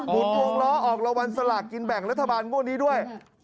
ดวงล้อออกรางวัลสลากกินแบ่งรัฐบาลงวดนี้ด้วย